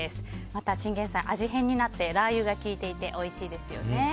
またチンゲンサイが味変になってラー油が効いておいしいですよね。